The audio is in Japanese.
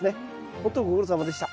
ほんとご苦労さまでした。